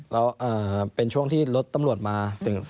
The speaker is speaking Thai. แล้วเป็นช่วงที่รถตำรวจมา